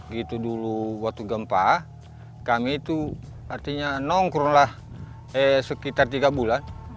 gitu dulu waktu gempa kami itu artinya nongkronglah sekitar tiga bulan